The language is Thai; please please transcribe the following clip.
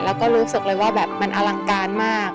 เราก็รู้สึกเลยว่ามันอลังการมาก